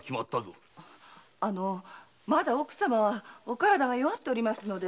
あのまだ奥様はお体が弱っておりますので。